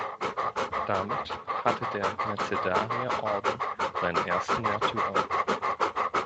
Damit hatte der Mercedarier-Orden seinen ersten Märtyrer.